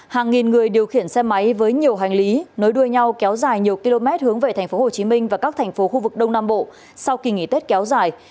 hàng nghìn người điều khiển xe máy với nhiều hành lý nối đuôi nhau kéo dài nhiều km hướng về tp hcm và các thành phố khu vực đông nam bộ sau kỳ nghỉ tết kéo dài